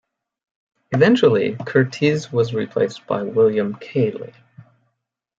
Eventually Curtiz was replaced by William Keighley.